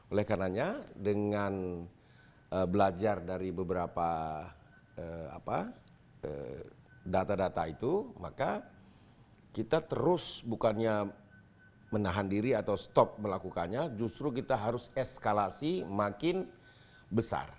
oleh karenanya dengan belajar dari beberapa data data itu maka kita terus bukannya menahan diri atau stop melakukannya justru kita harus eskalasi makin besar